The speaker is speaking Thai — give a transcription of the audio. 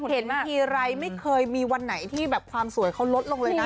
เห็นทีไรไม่เคยมีวันไหนที่แบบความสวยเขาลดลงเลยนะ